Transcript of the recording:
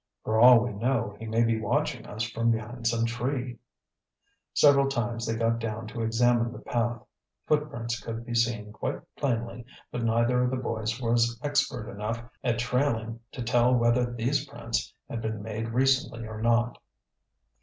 "For all we know he may be watching us from behind some tree." Several times they got down to examine the path. Footprints could be seen quite plainly, but neither of the boys was expert enough at trailing to tell whether these prints had been made recently or not.